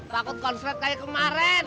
takut konser kayak kemarin